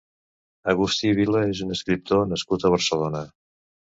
Agustí Vila és un escriptor nascut a Barcelona.